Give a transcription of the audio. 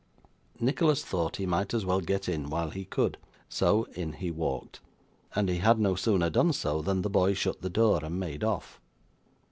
Nicholas thought he might as well get in while he could, so in he walked; and he had no sooner done so, than the boy shut the door, and made off.